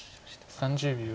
３０秒。